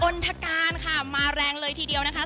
ณฑการค่ะมาแรงเลยทีเดียวนะคะ